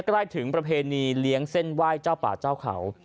ใกล้ถึงประเพณีเลี้ยงเส้นไหว้เจ้าป่าเจ้าเขา